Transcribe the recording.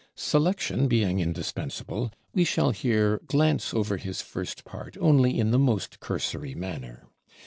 Selection being indispensable, we shall here glance over his First Part only in the most cursory manner.